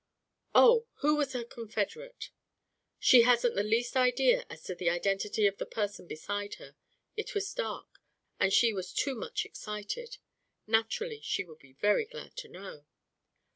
"Oh! Who was her confederate?" "She hasn't the least idea as to the identity of the person beside her. It was dark, and she was too much excited. Naturally, she would be very glad to know."